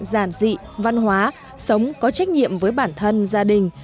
giản dị văn hóa sống có trách nhiệm với bản thân gia đình